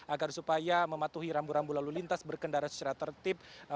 agar supaya mematuhi rambu rambu lalu lintas berkendara secara tertib